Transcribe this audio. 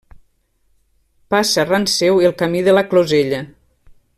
Passa ran seu el Camí de la Closella.